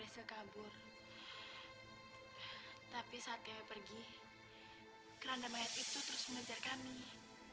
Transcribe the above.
sampai jumpa di video selanjutnya